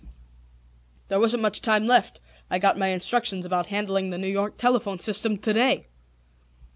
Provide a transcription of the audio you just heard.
There wasn't much time left. I got my instructions about handling the New York telephone system to day."